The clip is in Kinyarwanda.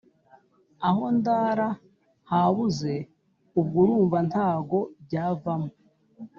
aho ndara habuze ubwo urumva ntago byavamo